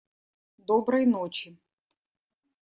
Доброй ночи.